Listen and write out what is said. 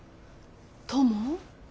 トモ？